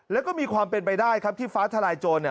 แล้วก็มีความเป็นไปได้ครับที่ฟ้าทลายโจร